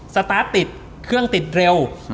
สตาร์ทติดเครื่องติดเร็ว